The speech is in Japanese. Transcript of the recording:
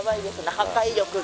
破壊力が。